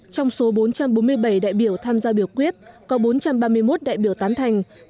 trong số bốn trăm bốn mươi bảy đại biểu tham gia biểu quyết có bốn trăm ba mươi một đại biểu tán thành